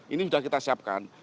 ini sudah kita siapkan